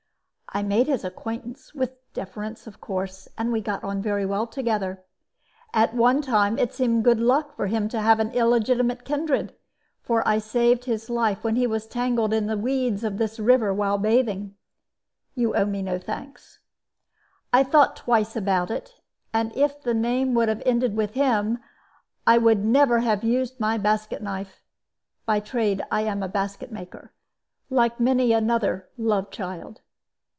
"I made his acquaintance, with deference, of course, and we got on very well together. At one time it seemed good luck for him to have illegitimate kindred; for I saved his life when he was tangled in the weeds of this river while bathing. You owe me no thanks. I thought twice about it, and if the name would have ended with him, I would never have used my basket knife. By trade I am a basket maker, like many another 'love child.'